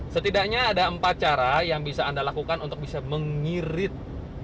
setidaknya ada empat cara yang bisa anda lakukan untuk bisa mengirit